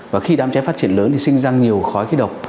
và khi đám cháy phát triển lớn thì sinh ra nhiều khói khí độc